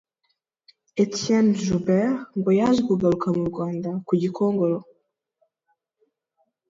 Etienne Joubert ngo yaje kugaruka mu Rwanda ku Gikongoro